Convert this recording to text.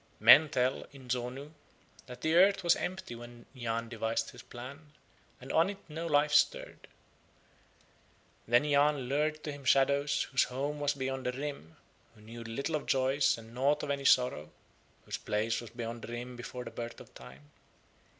Men tell in Zonu that the earth was empty when Yahn devised his plan, and on it no life stirred. Then Yahn lured to him shadows whose home was beyond the Rim, who knew little of joys and nought of any sorrow, whose place was beyond the Rim before the birth of Time.